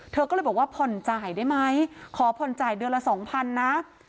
เธอก็เลยบอกว่าผ่อนจ่ายได้ไหมขอผ่อนจ่ายเดือนละสองพันนะ